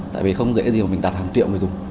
tại vì không dễ gì mà mình đạt hàng triệu người dùng